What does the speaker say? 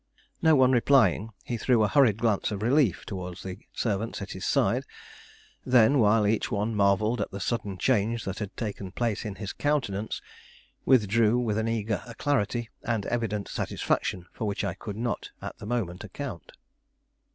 No one replying, he threw a hurried glance of relief towards the servants at his side, then, while each one marvelled at the sudden change that had taken place in his countenance, withdrew with an eager alacrity and evident satisfaction for which I could not at the moment account.